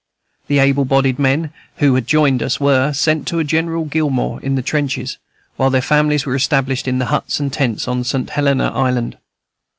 The able bodied men who had joined us were, sent to aid General Gillmore in the trenches, while their families were established in huts and tents on St. Helena Island.